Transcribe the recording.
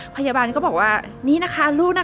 พยาบาลก็บอกว่านี่นะคะลูกนะคะ